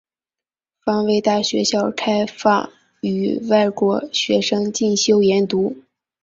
防卫大学校开放予外国学生进修研读。